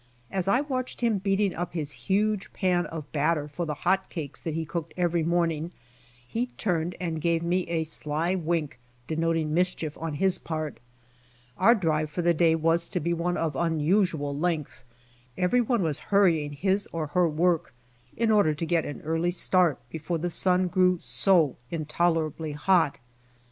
As I watched him beat ing up his huge pan of batter for the hot cakes that he cooked every morning, he turned and gave me a sly wink denoting mischief on his part. Our drive for the day was to be one of unusual length. Every one was hurr ying his or her work, in order to get an early start before the sun grew so intolerably hot.